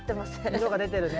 色が出てるね。